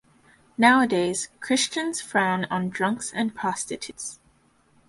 Nowadays Christians frown on drunks and prostitutes.